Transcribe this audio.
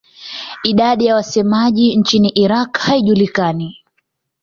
Idadi ya wasemaji nchini Iraq haijulikani.